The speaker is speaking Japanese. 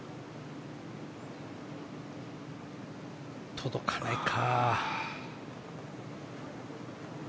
届かないか。